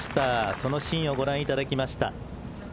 そのシーンをご覧いただきました。